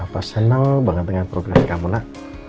apa senang banget dengan program kamu nak